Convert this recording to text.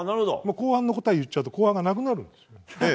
後半の答えを言っちゃうと後半がなくなるでしょ。